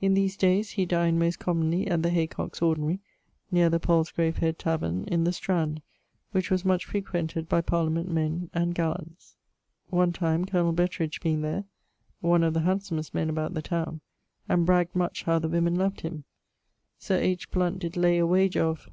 In these dayes he dined most commonly at the Heycock's ordinary, neer the Pallzgrave head taverne, in the Strand, which was much frequented by Parliament men and gallants. One time colonel Betridge being there (one of the handsomest men about the towne) and bragged much how the woemen loved him; Sir H. Blount did lay a wager of